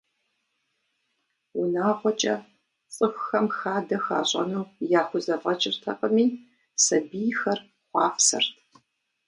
Унагъуэкӏэ цӏыхухэм хадэ хащӏэну яхузэфӏэкӏыртэкъыми, сабийхэр хъуапсэрт.